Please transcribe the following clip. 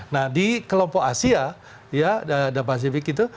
nah di kelompok asia dan pasifik itu